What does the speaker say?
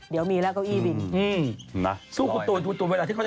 เดี๋ยวมีแล้วก้ออีบิน